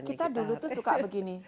kita dulu suka begini